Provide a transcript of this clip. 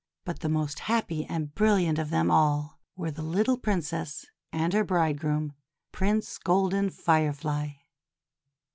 But the most happy and brilliant of them all were the little Princess and her bridegroom, Prince Golden Firefly.